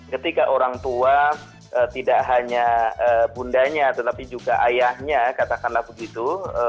ketika orang tua tidak hanya bundanya tetapi juga ayahnya katakanlah begitu